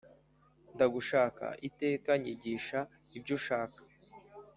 Ndagushaka iteka nyigisha ibyo ushaka